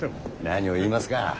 何を言いますか。